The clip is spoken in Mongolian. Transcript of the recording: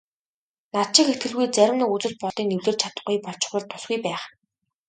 Над шиг итгэлгүй зарим нэг үзэл бодолтой нь эвлэрч чадахгүй болчихвол тусгүй байх.